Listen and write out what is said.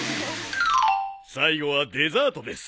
最後はデザートです。